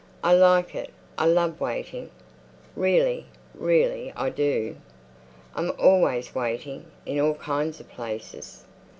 "I like it. I love waiting! Really—really I do! I'm always waiting—in all kinds of places...."